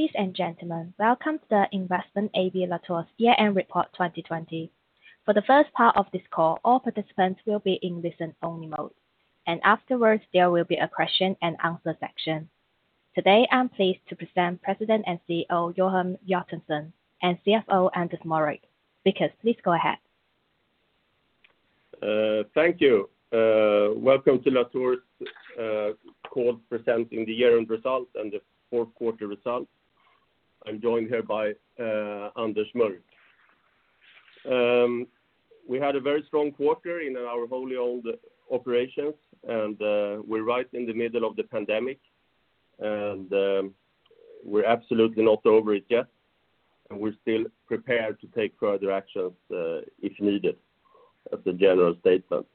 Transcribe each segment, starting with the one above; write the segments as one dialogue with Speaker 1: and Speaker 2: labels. Speaker 1: Ladies and gentlemen, welcome to Investment AB Latour's year end report 2020. For the first part of this call, all participants will be in listen-only mode, and afterwards, there will be a question and answer section. Today, I'm pleased to present President and CEO, Johan Hjertonsson, and CFO, Anders Mörck. Speakers, please go ahead.
Speaker 2: Thank you. Welcome to Latour's call presenting the year-end results and the fourth quarter results. I'm joined here by Anders Mörck. We had a very strong quarter in our wholly-owned operations. We're right in the middle of the pandemic, and we're absolutely not over it yet, and we're still prepared to take further actions if needed as a general statement.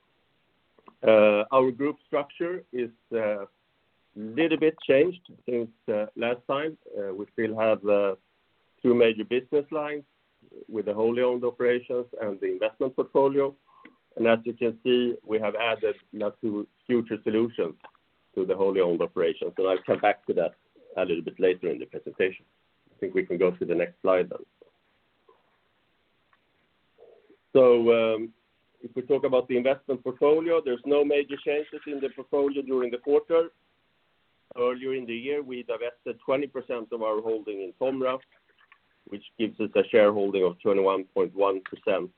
Speaker 2: Our group structure is a little bit changed since last time. We still have two major business lines with the wholly-owned operations and the investment portfolio. As you can see, we have added Latour Future Solutions to the wholly-owned operations, and I'll come back to that a little bit later in the presentation. I think we can go to the next slide then. If we talk about the investment portfolio, there's no major changes in the portfolio during the quarter. Earlier in the year, we divested 20% of our holding in Tomra, which gives us a shareholding of 21.1%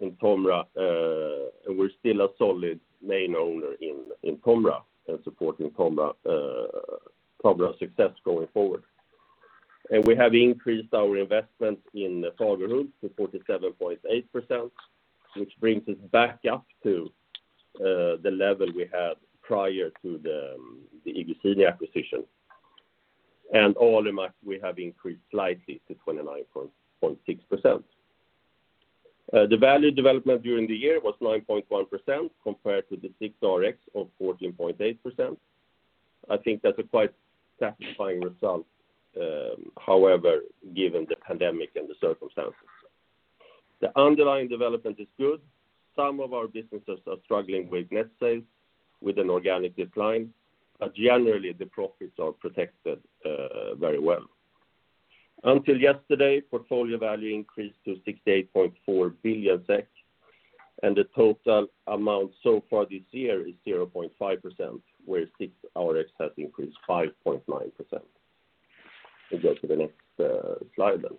Speaker 2: in Tomra. We're still a solid main owner in Tomra and supporting Tomra success going forward. We have increased our investment in Fagerhult to 47.8%, which brings us back up to the level we had prior to the Egencia acquisition. Alimak we have increased slightly to 29.6%. The value development during the year was 9.1% compared to the SIXRX of 14.8%. I think that's a quite satisfying result, however, given the pandemic and the circumstances. The underlying development is good. Some of our businesses are struggling with net sales with an organic decline, but generally, the profits are protected very well. Until yesterday, portfolio value increased to 68.4 billion SEK, and the total amount so far this year is 0.5%, whereas SIXRX has increased 5.9%. We go to the next slide then.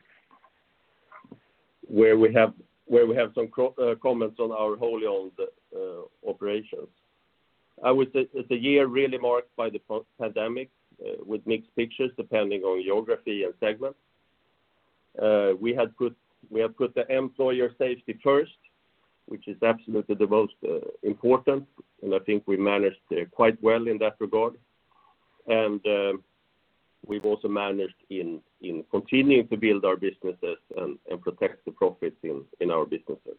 Speaker 2: Where we have some comments on our wholly owned operations. I would say it's a year really marked by the pandemic with mixed pictures depending on geography and segment. We have put the employer safety first, which is absolutely the most important, and I think we managed quite well in that regard. We've also managed in continuing to build our businesses and protect the profits in our businesses.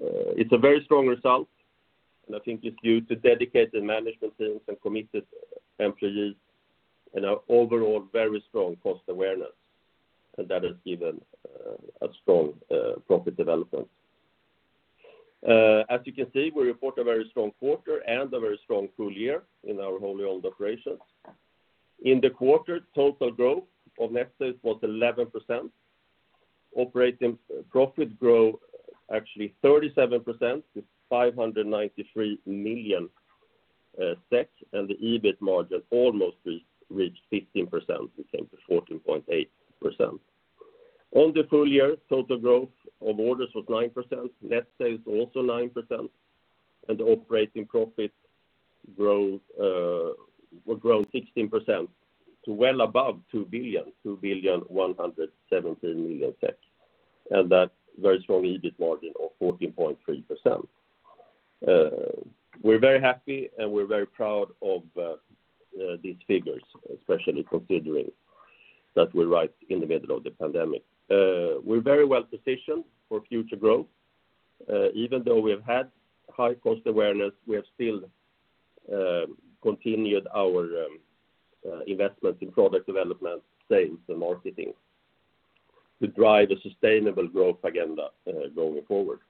Speaker 2: It's a very strong result, and I think it's due to dedicated management teams and committed employees and an overall very strong cost awareness that has given a strong profit development. You can see, we report a very strong quarter and a very strong full year in our wholly owned operations. In the quarter, total growth of net sales was 11%. Operating profit growth actually 37% to 593 million SEK, and the EBIT margin almost reached 15%, we came to 14.8%. On the full year, total growth of orders was 9%, net sales also 9%, and operating profit were grown 16% to well above 2 billion, 2,117,000,000. That very strong EBIT margin of 14.3%. We're very happy, and we're very proud of these figures, especially considering that we're right in the middle of the pandemic. We're very well positioned for future growth. Even though we've had high cost awareness, we have still continued our investments in product development, sales, and marketing to drive a sustainable growth agenda going forward.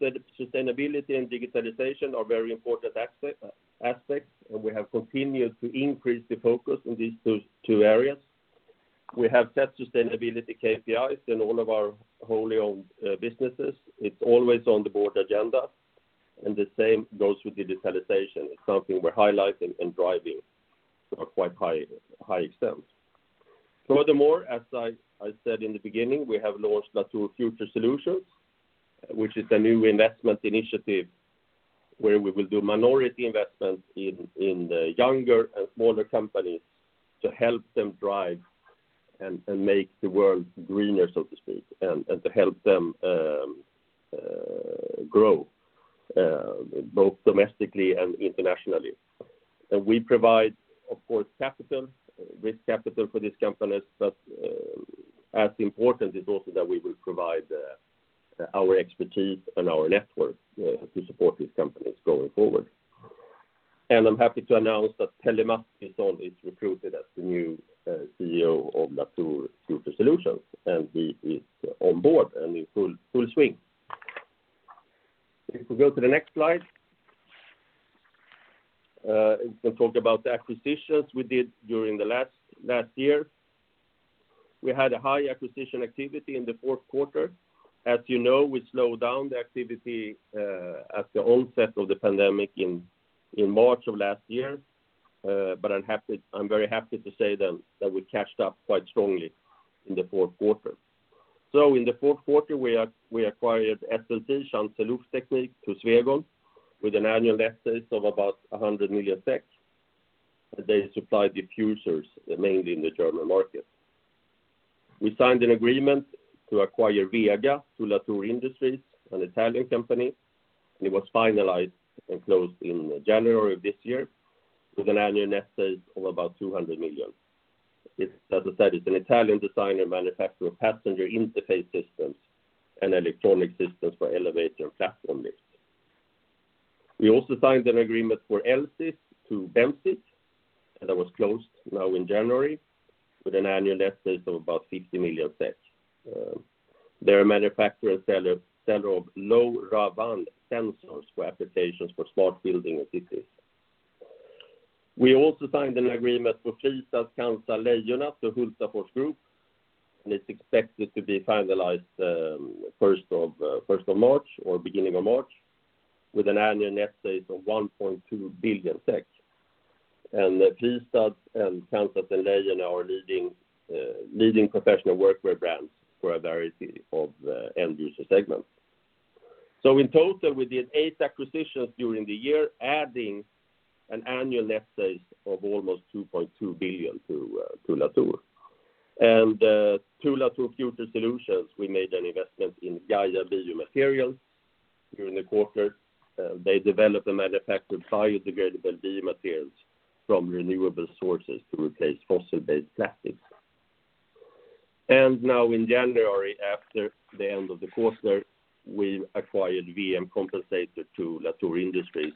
Speaker 2: Sustainability and digitalization are very important aspects, and we have continued to increase the focus in these two areas. We have set sustainability KPIs in all of our wholly owned businesses. It's always on the board agenda. The same goes with digitalization. It's something we're highlighting and driving to a quite high extent. Furthermore, as I said in the beginning, we have launched Latour Future Solutions, which is a new investment initiative where we will do minority investments in the younger and smaller companies to help them drive and make the world greener, so to speak, and to help them grow both domestically and internationally. We provide, of course, capital, risk capital for these companies, but as important is also that we will provide our expertise and our network to support these companies going forward. I'm happy to announce that Pelle Mat is recruited as the new CEO of Latour Future Solutions. He is on board and in full swing. If we go to the next slide. We can talk about the acquisitions we did during the last year. We had a high acquisition activity in the fourth quarter. As you know, we slowed down the activity at the onset of the pandemic in March of last year. I'm very happy to say that we caught up quite strongly in the fourth quarter. In the fourth quarter, we acquired SLT, Schanze Lufttechnik, to Swegon with an annual net sales of about 100 million SEK. They supply diffusers, mainly in the German market. We signed an agreement to acquire VEGA to Latour Industries, an Italian company. It was finalized and closed in January of this year with an annual net sales of about 200 million. As I said, it's an Italian designer and manufacturer of passenger interface systems and electronic systems for elevator and platform lifts. We also signed an agreement for Elsys to Bemsiq, and that was closed now in January, with an annual net sales of about 50 million. They are a manufacturer and seller of LoRaWAN sensors for applications for smart building and cities. We also signed an agreement for Fristads, Kansas, Leijona to Hultafors Group, and it is expected to be finalized 1st of March or beginning of March with an annual net sales of 1.2 billion. Fristads and Kansas and Leijona are leading professional workwear brands for a variety of end user segments. In total, we did eight acquisitions during the year, adding an annual net sales of almost 2.2 billion to Latour. Latour Future Solutions, we made an investment in Gaia BioMaterials during the quarter. They develop and manufacture biodegradable biomaterials from renewable sources to replace fossil-based plastics. Now in January, after the end of the quarter, we acquired VM Kompensator to Latour Industries.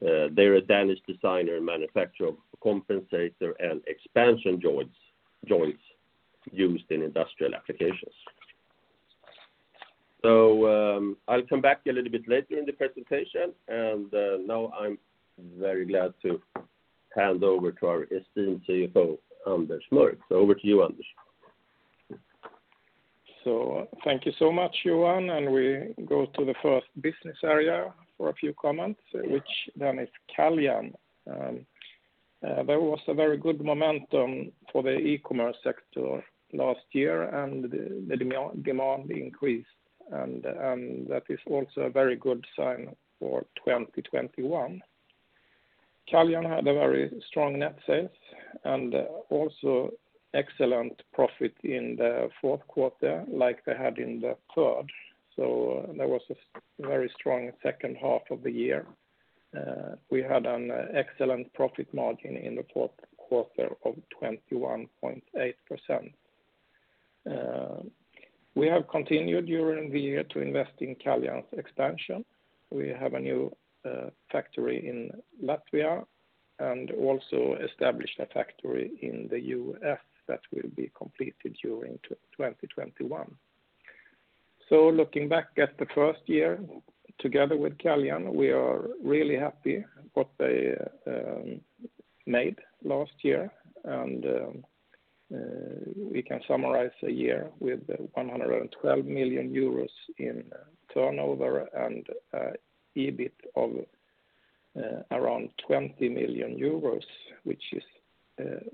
Speaker 2: They're a Danish designer and manufacturer of compensator and expansion joints used in industrial applications. I'll come back a little bit later in the presentation, and now I'm very glad to hand over to our esteemed CFO, Anders Mörck. Over to you, Anders.
Speaker 3: Thank you so much, Johan. We go to the first business area for a few comments, which then is Caljan. There was a very good momentum for the e-commerce sector last year. The demand increased, and that is also a very good sign for 2021. Caljan had a very strong net sales and also excellent profit in the fourth quarter like they had in the third. There was a very strong second half of the year. We had an excellent profit margin in the fourth quarter of 21.8%. We have continued during the year to invest in Caljan's expansion. We have a new factory in Latvia and also established a factory in the U.S. that will be completed during 2021. Looking back at the first year together with Caljan, we are really happy what they made last year, and we can summarize the year with 112 million euros in turnover and EBIT of around 20 million euros, which is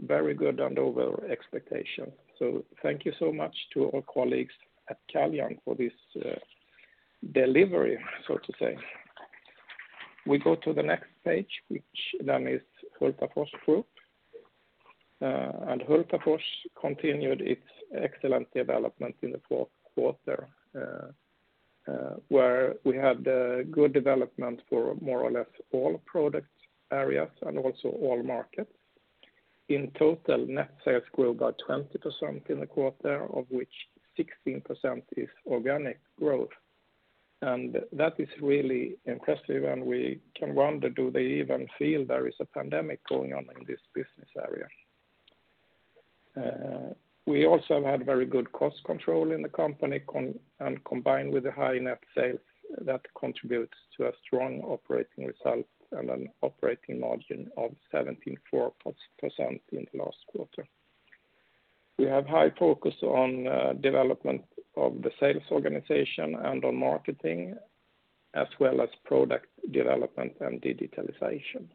Speaker 3: very good and over expectation. Thank you so much to our colleagues at Caljan for this delivery, so to say. We go to the next page, which then is Hultafors Group. Hultafors continued its excellent development in the fourth quarter, where we had good development for more or less all product areas and also all markets. In total, net sales grew by 20% in the quarter, of which 16% is organic growth. That is really impressive, and we can wonder, do they even feel there is a pandemic going on in this business area? We also had very good cost control in the company, combined with the high net sales, that contributes to a strong operating result and an operating margin of 17.4% in the last quarter. We have high focus on development of the sales organization and on marketing as well as product development and digitalization.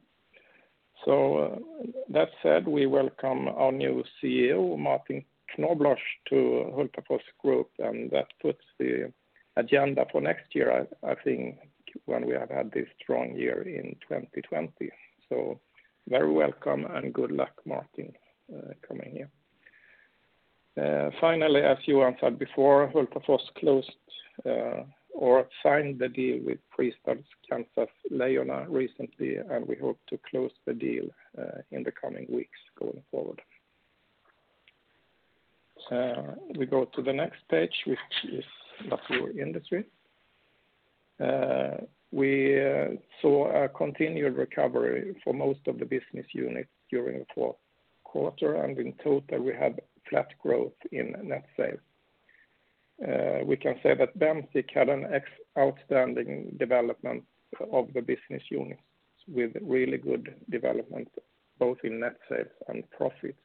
Speaker 3: That said, we welcome our new CEO, Martin Knobloch, to Hultafors Group, that puts the agenda for next year, I think when we have had this strong year in 2020. Very welcome and good luck, Martin, coming here. Finally, as Johan said before, Hultafors closed or signed the deal with Fristads, Kansas, Leijona recently, we hope to close the deal in the coming weeks going forward. We go to the next page, which is Latour Industries. We saw a continued recovery for most of the business units during the fourth quarter. In total we had flat growth in net sales. We can say that Bemsiq had an outstanding development of the business units with really good development both in net sales and profits.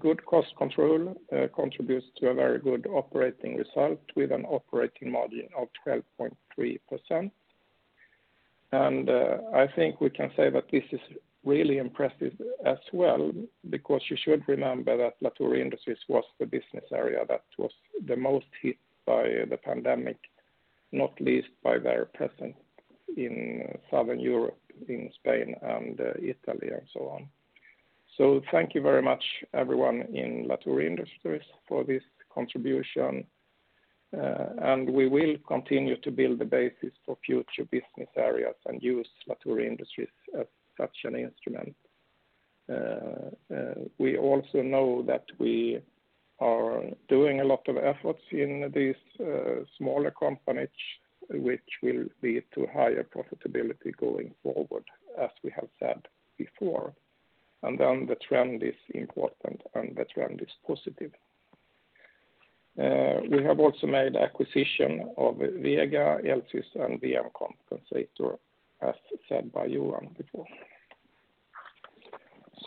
Speaker 3: Good cost control contributes to a very good operating result with an operating margin of 12.3%. I think we can say that this is really impressive as well, because you should remember that Latour Industries was the business area that was the most hit by the pandemic, not least by their presence in Southern Europe, in Spain and Italy, and so on. Thank you very much everyone in Latour Industries for this contribution. We will continue to build the basis for future business areas and use Latour Industries as such an instrument. We also know that we are doing a lot of efforts in these smaller companies, which will lead to higher profitability going forward, as we have said before. The trend is important, and the trend is positive. We have also made acquisition of VEGA, Elsys, and VM Kompensator, as said by Johan before.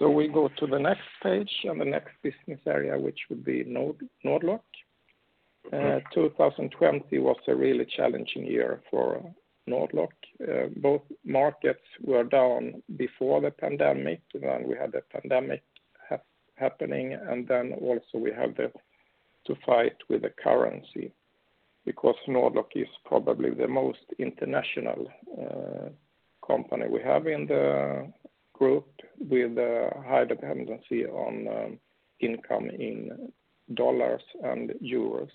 Speaker 3: We go to the next page and the next business area, which would be Nord-Lock. 2020 was a really challenging year for Nord-Lock. Both markets were down before the pandemic. We had the pandemic happening, also we have to fight with the currency because Nord-Lock is probably the most international company we have in the group with a high dependency on income in dollars and euros.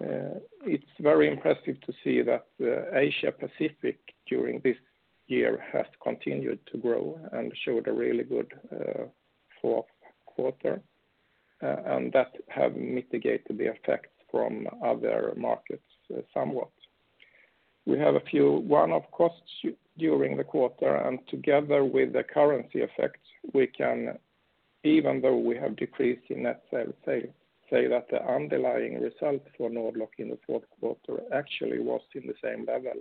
Speaker 3: It's very impressive to see that Asia Pacific during this year has continued to grow and showed a really good fourth quarter, and that have mitigated the effects from other markets somewhat. We have a few one-off costs during the quarter, and together with the currency effects, even though we have decreased in net sales, say that the underlying result for Nord-Lock in the fourth quarter actually was in the same level,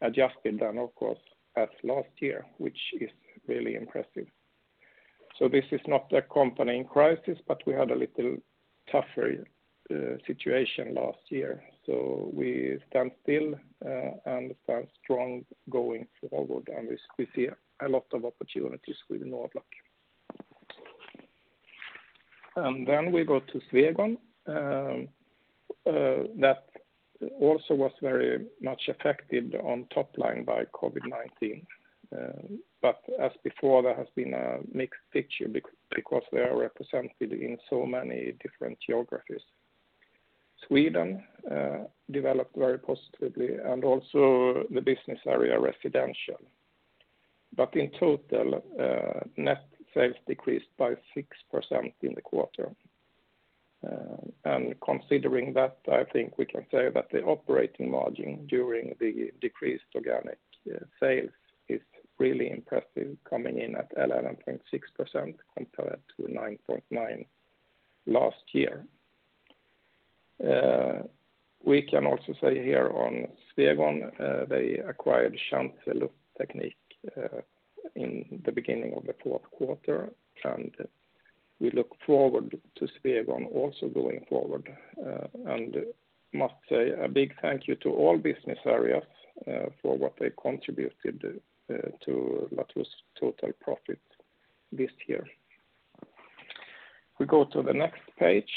Speaker 3: adjusted then, of course, as last year, which is really impressive. This is not a company in crisis, but we had a little tougher situation last year. We stand still and stand strong going forward, and we see a lot of opportunities with Nord-Lock. We go to Swegon. That also was very much affected on top line by COVID-19. As before, there has been a mixed picture because they are represented in so many different geographies. Sweden developed very positively and also the business area residential. In total, net sales decreased by 6% in the quarter. Considering that, I think we can say that the operating margin during the decreased organic sales is really impressive, coming in at 11.6% compared to 9.9% last year. We can also say here on Swegon, they acquired Schanze Lufttechnik in the beginning of the fourth quarter, and we look forward to Swegon also going forward. Must say a big thank you to all business areas for what they contributed to Latour's total profit this year. We go to the next page,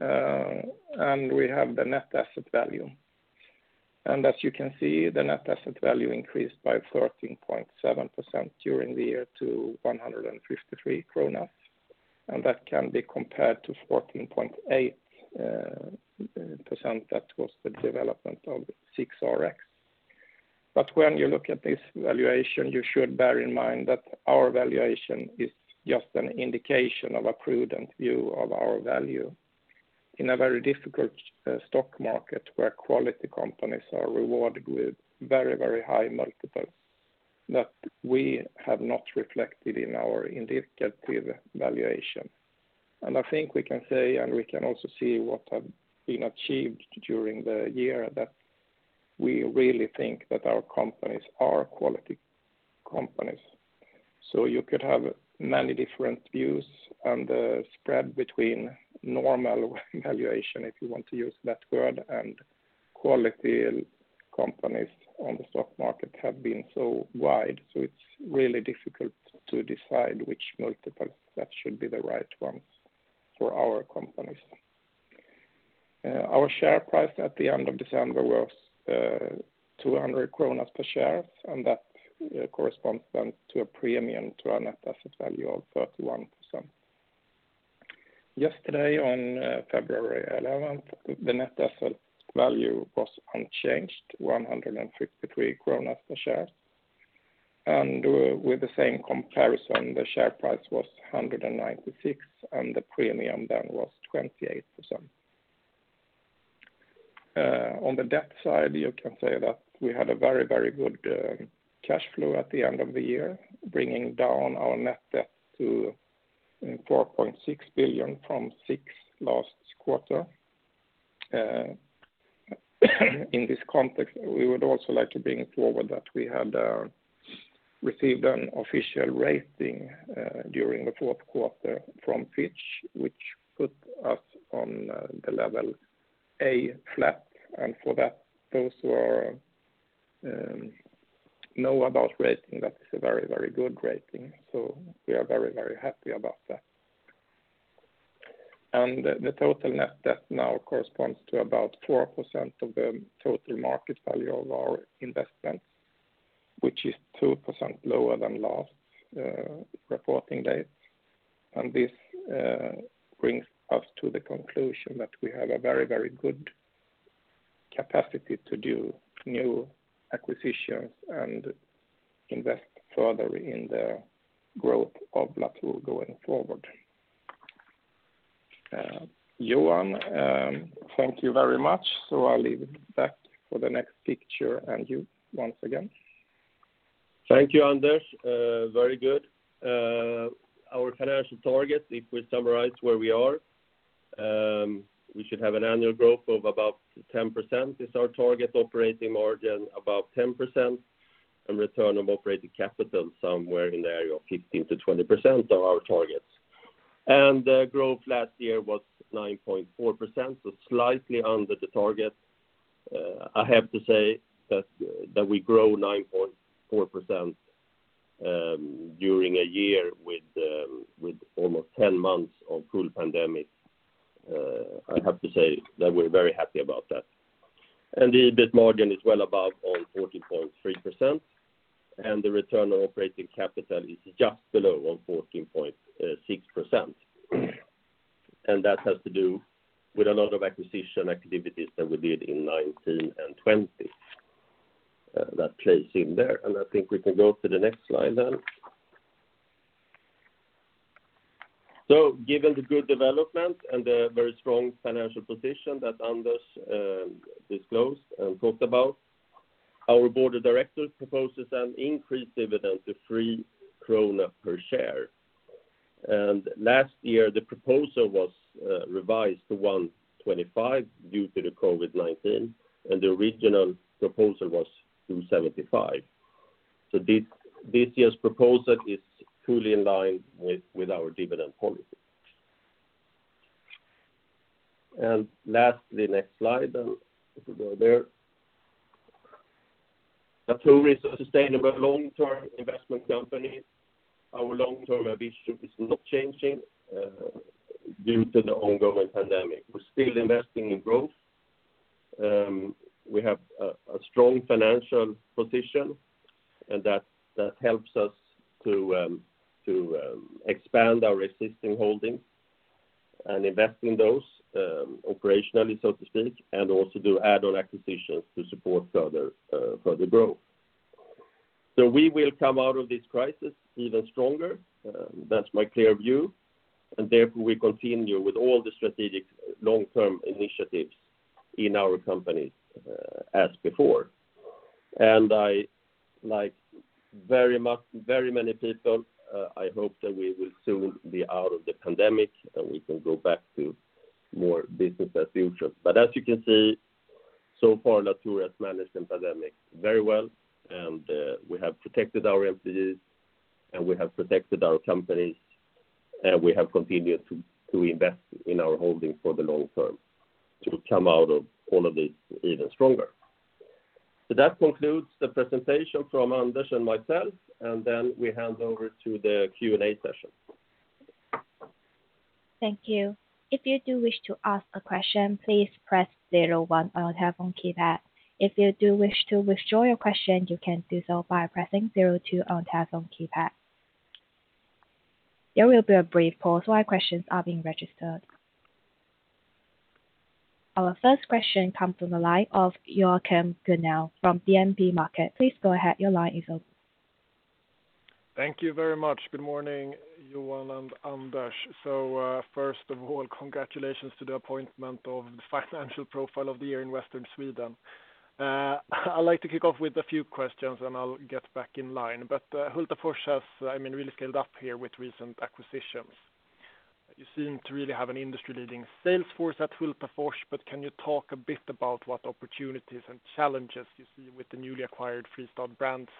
Speaker 3: and we have the net asset value. As you can see, the net asset value increased by 13.7% during the year to 153 kronor, and that can be compared to 14.8%, that was the development of SIXRX. When you look at this valuation, you should bear in mind that our valuation is just an indication of a prudent view of our value in a very difficult stock market where quality companies are rewarded with very, very high multiples that we have not reflected in our indicative valuation. I think we can say, and we can also see what have been achieved during the year, that we really think that our companies are quality companies. You could have many different views on the spread between normal valuation, if you want to use that word, and quality companies on the stock market have been so wide. It's really difficult to decide which multiple that should be the right one for our companies. Our share price at the end of December was 200 kronor per share, that corresponds to a premium to our net asset value of 31%. Yesterday, on February 11th, the net asset value was unchanged, 153 kronor per share. With the same comparison, the share price was 196 and the premium was 28%. On the debt side, you can say that we had a very good cash flow at the end of the year, bringing down our net debt to 4.6 billion from 6 billion last quarter. In this context, we would also like to bring forward that we had received an official rating during the fourth quarter from Fitch, which put us on the level A-. For those who know about rating, that is a very good rating. We are very happy about that. The total net debt now corresponds to about 4% of the total market value of our investments, which is 2% lower than last reporting date. This brings us to the conclusion that we have a very good capacity to do new acquisitions and invest further in the growth of Latour going forward. Johan, thank you very much. I'll leave it back for the next picture and you once again.
Speaker 2: Thank you, Anders. Very good. Our financial targets, if we summarize where we are, we should have an annual growth of about 10%, is our target operating margin, about 10%, and return on operating capital somewhere in the area of 15%-20% are our targets. Growth last year was 9.4%, so slightly under the target. I have to say that we grow 9.4% during a year with almost 10 months of full pandemic. I have to say that we're very happy about that. The EBIT margin is well above on 14.3%, and the return on operating capital is just below on 14.6%. That has to do with a lot of acquisition activities that we did in 2019 and 2020. That plays in there. I think we can go to the next slide then. Given the good development and the very strong financial position that Anders disclosed and talked about, our Board of Directors proposes an increased dividend to 3 krona per share. Last year the proposal was revised to 1.25 due to the COVID-19, and the original proposal was 2.75. This year's proposal is truly in line with our dividend policy. Lastly, next slide, if we go there. Latour is a sustainable long-term investment company. Our long-term ambition is not changing due to the ongoing pandemic. We're still investing in growth. We have a strong financial position, and that helps us to expand our existing holdings and invest in those operationally, so to speak, and also do add-on acquisitions to support further growth. We will come out of this crisis even stronger. That's my clear view. Therefore we continue with all the strategic long-term initiatives in our company as before. Like very many people, I hope that we will soon be out of the pandemic, and we can go back to more business as usual. As you can see, so far Latour has managed the pandemic very well, and we have protected our employees, and we have protected our company, and we have continued to invest in our holdings for the long term to come out of all of this even stronger. That concludes the presentation from Anders and myself, and then we hand over to the Q&A session.
Speaker 1: Thank you. If you do wish to ask a question, please press zero one on your telephone keypad. If you do wish to withdraw your question, you can do so by pressing zero two on your telephone keypad. There will be a brief pause while questions are being registered. Our first question comes from the line of Joachim Gunell from DNB Markets. Please go ahead. Your line is open.
Speaker 4: Thank you very much. Good morning, Johan and Anders. First of all, congratulations to the appointment of the Financial Profile of the Year in Western Sweden. I'd like to kick off with a few questions, and I'll get back in line. Hultafors has really scaled up here with recent acquisitions. You seem to really have an industry-leading sales force at Hultafors, but can you talk a bit about what opportunities and challenges you see with the newly acquired Fristads brands?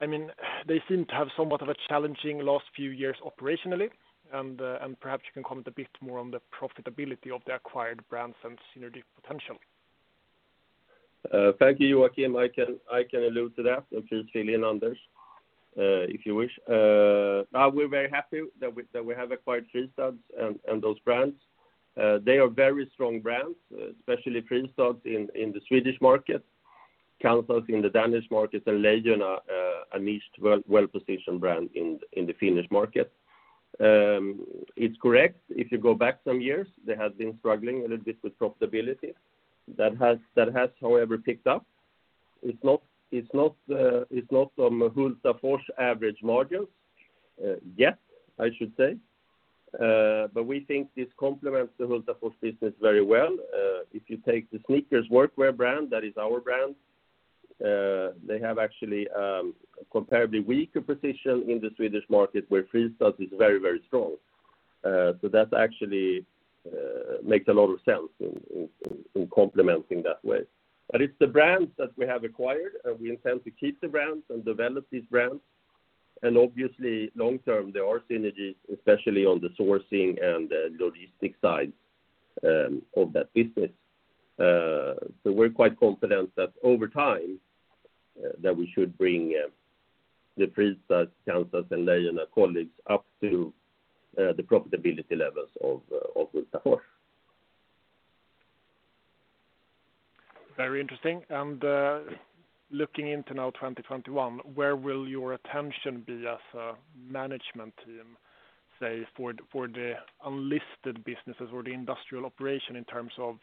Speaker 4: They seem to have somewhat of a challenging last few years operationally, and perhaps you can comment a bit more on the profitability of the acquired brands and synergy potential.
Speaker 2: Thank you, Joachim. I can allude to that. Please fill in Anders, if you wish. We're very happy that we have acquired Fristads and those brands. They are very strong brands, especially Fristads in the Swedish market, Kansas in the Danish market, and Leijona are a niched, well-positioned brand in the Finnish market. It's correct, if you go back some years, they have been struggling a little bit with profitability. That has, however, picked up. It's not on Hultafors' average margins yet, I should say. We think this complements the Hultafors business very well. If you take the Snickers workwear brand, that is our brand, they have actually a comparatively weaker position in the Swedish market where Fristads is very strong. That actually makes a lot of sense in complementing that way. It's the brands that we have acquired, and we intend to keep the brands and develop these brands. Obviously long-term, there are synergies, especially on the sourcing and the logistics side of that business. We're quite confident that over time that we should bring the Fristads, Kansas, and Leijona colleagues up to the profitability levels of Hultafors.
Speaker 4: Very interesting. Looking into now 2021, where will your attention be as a management team, say for the unlisted businesses or the industrial operation in terms of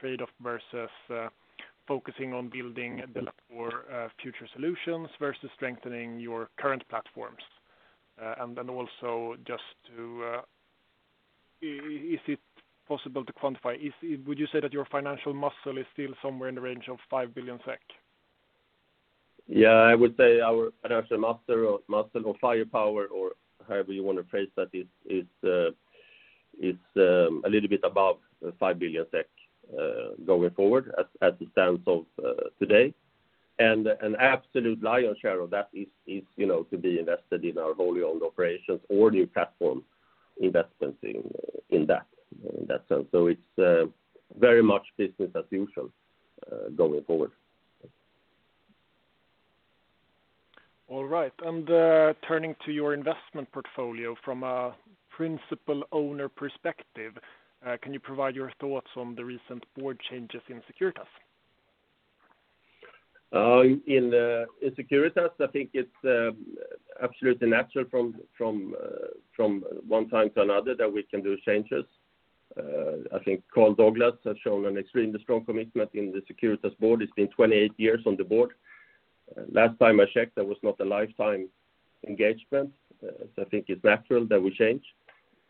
Speaker 4: trade-off versus focusing on building the Latour Future Solutions versus strengthening your current platforms? Then also is it possible to quantify? Would you say that your financial muscle is still somewhere in the range of 5 billion SEK?
Speaker 2: Yeah, I would say our financial muscle or firepower or however you want to phrase that is a little bit above 5 billion SEK going forward as at the stance of today. An absolute lion's share of that is to be invested in our wholly owned operations or new platform investments in that sense. It's very much business as usual going forward.
Speaker 4: All right. Turning to your investment portfolio from a principal owner perspective, can you provide your thoughts on the recent board changes in Securitas?
Speaker 2: In Securitas, I think it's absolutely natural from one time to another that we can do changes. I think Carl Douglas has shown an extremely strong commitment in the Securitas board. He's been 28 years on the board. Last time I checked, that was not a lifetime engagement. I think it's natural that we change.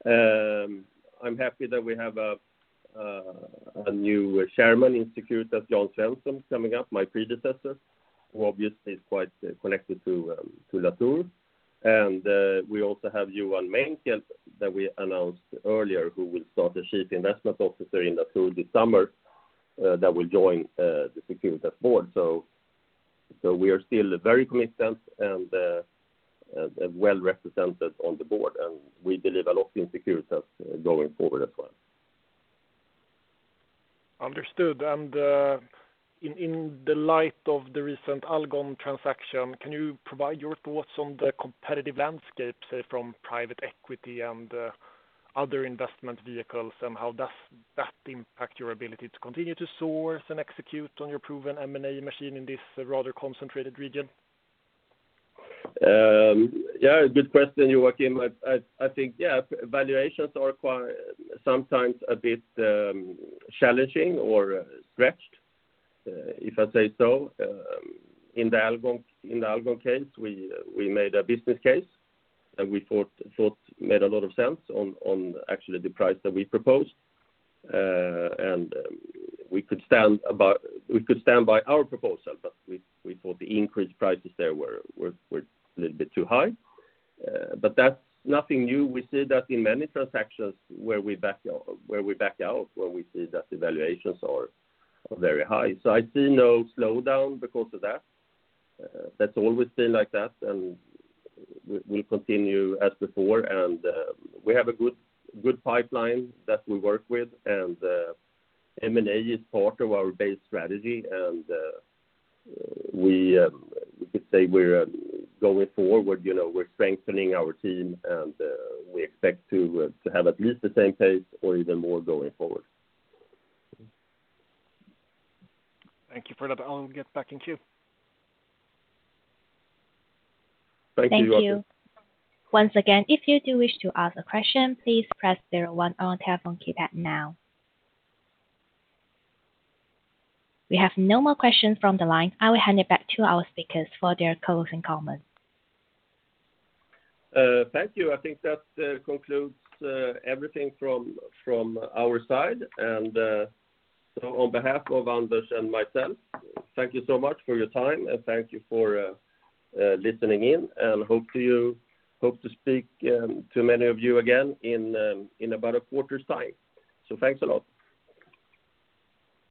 Speaker 2: I'm happy that we have a new chairman in Securitas, Jan Svensson, coming up, my predecessor, who obviously is quite connected to Latour. We also have Johan Menckel that we announced earlier, who will start as Chief Investment Officer in Latour this summer that will join the Securitas board. We are still very committed and well-represented on the board, and we deliver a lot in Securitas going forward as well.
Speaker 4: Understood. In the light of the recent Alimak transaction, can you provide your thoughts on the competitive landscape, say from private equity and other investment vehicles, and how does that impact your ability to continue to source and execute on your proven M&A machine in this rather concentrated region?
Speaker 2: Yeah, good question, Joachim. I think valuations are quite sometimes a bit challenging or stretched, if I say so. In the Alimak case, we made a business case, and we thought made a lot of sense on actually the price that we proposed. We could stand by our proposal, but we thought the increased prices there were a little bit too high. That's nothing new. We see that in many transactions where we back out, where we see that the valuations are very high. I see no slowdown because of that. That's always been like that, and we continue as before. We have a good pipeline that we work with, and M&A is part of our base strategy. We could say we're going forward, we're strengthening our team, and we expect to have at least the same pace or even more going forward.
Speaker 4: Thank you, for that. I'll get back in queue.
Speaker 2: Thank you, Joachim.
Speaker 1: Thank you. Once again, if you do wish to ask a question, please press zero one on your telephone keypad now. We have no more questions from the line. I will hand it back to our speakers for their closing comments.
Speaker 2: Thank you. I think that concludes everything from our side. On behalf of Anders and myself, thank you so much for your time, and thank you for listening in, and hope to speak to many of you again in about a quarter's time. Thanks a lot.